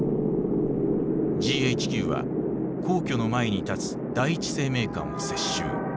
ＧＨＱは皇居の前に立つ第一生命館を接収。